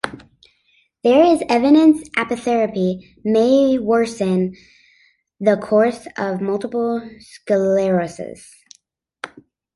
There is evidence apitherapy may worsen the course of multiple sclerosis.